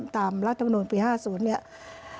ตามลัตรุณอุปิธี๕๐สัปดาห์